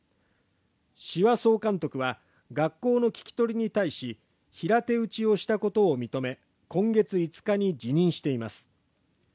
志波総監督は学校の聞き取りに対し、平手うちをしたことを認め、今月５日に辞任しています。